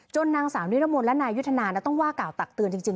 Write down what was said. นางสาวนิรมนต์และนายยุทธนาต้องว่ากล่าวตักเตือนจริง